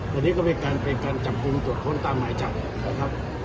ในนี้ก็เป็นการจับกรุงจบคล้นตามหมายจับ